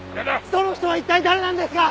その人は一体誰なんですか！？